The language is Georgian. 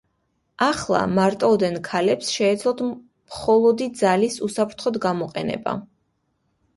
ახლა მარტოოდენ ქალებს შეეძლოთ მხოლოდი ძალის უსაფრთხოდ გამოყენება.